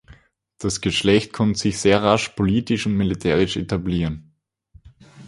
Das Geschlecht konnte sich sehr rasch politisch und militärisch etablieren.